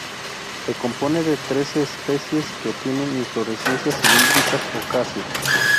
Se compone de trece especies que tienen inflorescencias cilíndricas o casi.